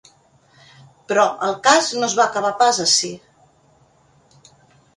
Però el cas no es va acabar pas ací.